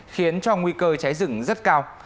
khiến cho nguy cơ cháy rừng rất cao